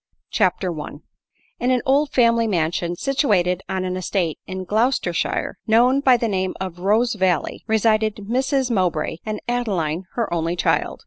CHAPTER L In an old family mansion, situated on an estate in Gloucestershire, known by the name of Rosevalley, resided Mrs Mowbray, and Adeline her only child.